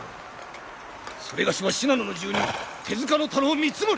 それがしは信濃の住人手塚太郎光盛。